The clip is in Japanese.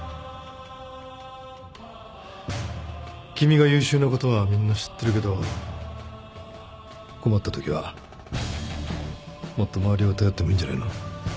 君が優秀なことはみんな知ってるけど困ったときはもっと周りを頼ってもいいんじゃないの？